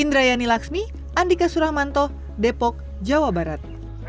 indrayani laksmi andika suramanto depok jawa barat